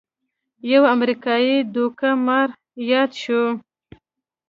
یو امریکايي دوکه مار یاد شو.